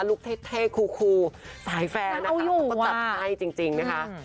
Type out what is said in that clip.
ลูกเท่คูลคูหายแฟร์นะคะเขาก็จำให้จริงนะคะ